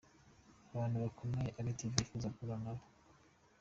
Abantu bakomeye Active yifuza guhura nabo .